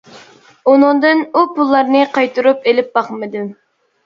ئۇنىڭدىن ئۇ پۇللارنى قايتۇرۇپ ئېلىپ باقمىدىم.